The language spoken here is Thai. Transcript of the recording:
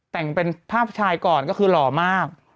แต่งเป็นภาพชายก่อนก็คือหล่อมาก